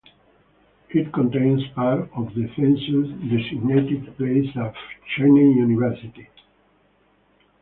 It contains part of the census designated place of Cheyney University.